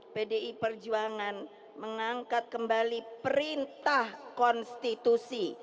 pdi perjuangan mengangkat kembali perintah konstitusi